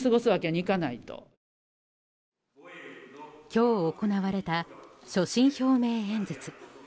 今日、行われた所信表明演説。